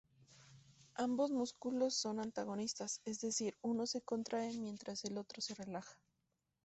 Ambos músculos son antagonistas, es decir uno se contrae mientras el otro se relaja.